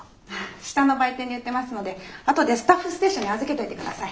下の売店で売ってますのであとでスタッフステーションに預けといて下さい。